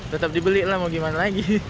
tetap dibeli lah mau gimana lagi